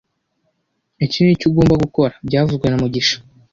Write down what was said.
Iki nicyo ugomba gukora byavuzwe na mugisha